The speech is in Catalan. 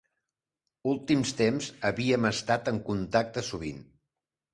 Últims temps havíem estat en contacte sovint.